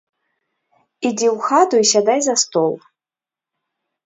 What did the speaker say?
Ідзі ў хату і сядай за стол.